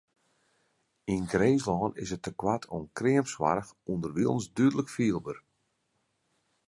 Yn Grinslân is it tekoart oan kreamsoarch ûnderwilens dúdlik fielber.